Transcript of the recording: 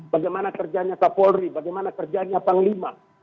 bagaimana kerjanya kapolri bagaimana kerjanya panglima